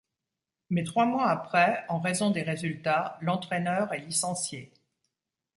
Mais trois mois après en raison des résultats l'entraîneur est licencié.